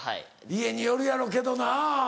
家によるやろけどなぁ。